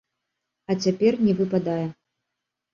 А цяпер не выпадае.